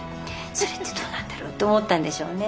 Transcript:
それってどうなんだろうと思ったんでしょうね。